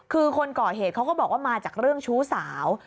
คือคนก่อเหตุเขาก็บอกว่ามาจากเรื่องชู้สาว